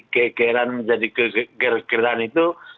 kekiran menjadi keger kegeran itu